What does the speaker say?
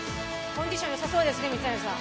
コンディションよさそうですね、水谷さん。